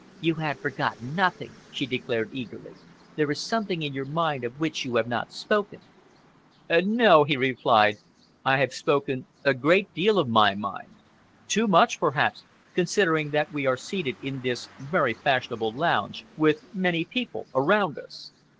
"You had forgotten nothing," she declared eagerly. "There is something in your mind of which you have not spoken." "No," he replied, "I have spoken a great deal of my mind too much, perhaps, considering that we are seated in this very fashionable lounge, with many people around us.